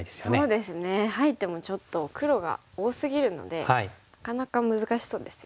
そうですね入ってもちょっと黒が多すぎるのでなかなか難しそうですよね。